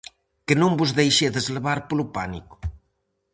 Que non vos deixedes levar polo pánico.